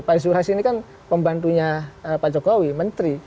pak isu has ini kan pembantunya pak jokowi menteri